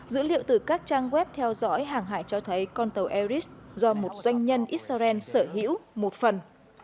dữ liệu từ các trang web theo dõi hàng hải cho thấy con tàu ares do một doanh nhân israel sở hữu một phần